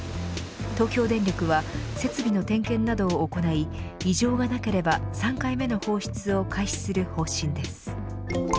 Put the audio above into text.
東京電力は設備の点検などを行い異常がなければ３回目の放出を開始する方針です。